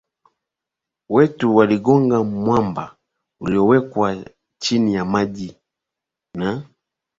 wetu aligonga mwamba uliowekwa chini ya maji na